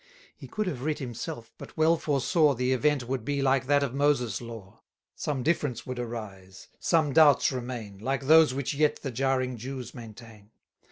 He could have writ himself, but well foresaw The event would be like that of Moses' law; Some difference would arise, some doubts remain, Like those which yet the jarring Jews maintain.